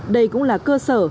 đây cũng là cơ sở